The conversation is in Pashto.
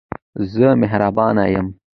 زه مهربانه یم.